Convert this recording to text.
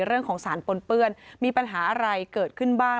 เรื่องของสารปนเปื้อนมีปัญหาอะไรเกิดขึ้นบ้าง